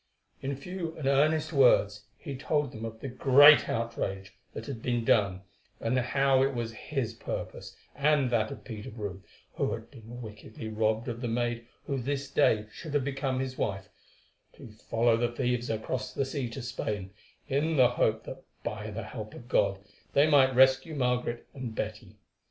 In few and earnest words he told them of the great outrage that had been done, and how it was his purpose and that of Peter Brome who had been wickedly robbed of the maid who this day should have become his wife, to follow the thieves across the sea to Spain, in the hope that by the help of God, they might rescue Margaret and Betty.